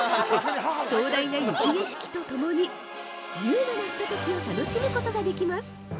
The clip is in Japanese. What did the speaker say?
壮大な雪景色とともに優雅なひとときを楽しむことができます。